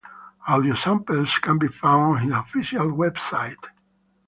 Audio samples can be found on his official website.